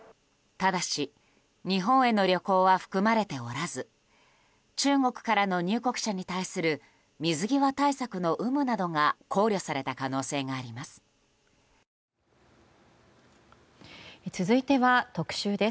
ただし、日本への旅行は含まれておらず中国からの入国者に対する水際対策の有無などが考慮された可能性があります。